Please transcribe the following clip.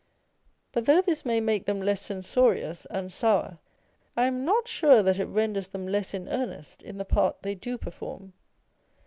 But though this may make them less censorious and sour, I am not sure that it renders them less in earnest in the part they do perform.